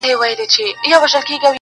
• څو لفظونه مي د میني ورته ورکړه..